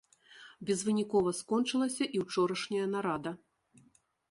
Безвынікова скончылася і ўчорашняя нарада.